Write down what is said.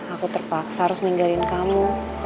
aku terpaksa harus meninggalin kamu